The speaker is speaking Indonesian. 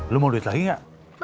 lu mau duit lagi gak